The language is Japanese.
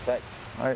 はい。